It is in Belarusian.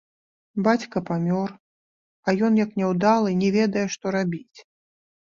Бацька памёр, а ён, як няўдалы, не ведае, што рабіць.